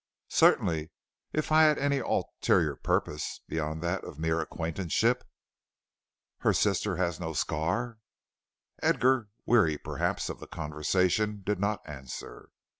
"Certainly, if I had any ulterior purpose beyond that of mere acquaintanceship." "Her sister has no scar?" Edgar, weary, perhaps, of the conversation, did not answer.